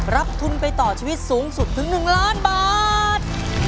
รับทุนไปต่อชีวิตสูงสุดถึง๑ล้านบาท